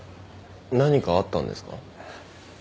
何かあったんですか？